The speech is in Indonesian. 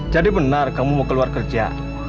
jadi benar kamu mau keluar kerja